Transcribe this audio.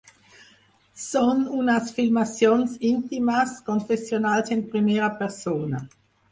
Són unes filmacions íntimes, confessionals i en primera persona.